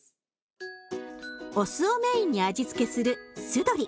お酢をメインに味付けする酢鶏。